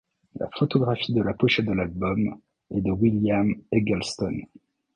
La photographie de la pochette de l'album est de William Eggleston.